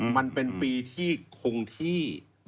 มันเป็นปีที่คงที่